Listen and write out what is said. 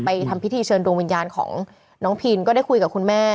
ทำพิธีเชิญดวงวิญญาณของน้องพินก็ได้คุยกับคุณแม่